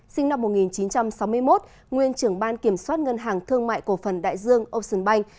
sinh năm một nghìn chín trăm sáu mươi một nguyên trưởng ban kiểm soát ngân hàng thương mại cổ phần đại dương ocean bank